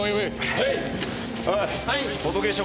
はい。